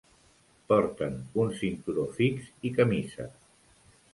Porten un cinturó fix i camisa.